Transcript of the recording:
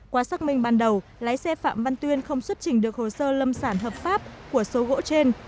qua xác minh ban đầu lái xe phạm văn tuyên không xuất trình được hồ sơ lâm sản hợp pháp của số gỗ trên